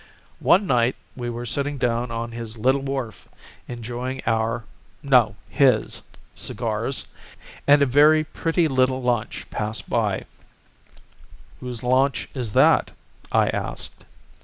"One night we were sitting down on his little wharf enjoying our no, his cigars, and a very pretty little launch passed by. "'Whose launch is that?' I asked.